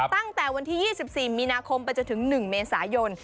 ตั้งแต่วันที่๒๔มีนาคมไปจนถึง๑เมษายน